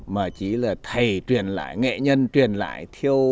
mà chỉ là thầy truyền lại nghệ nhân truyền lại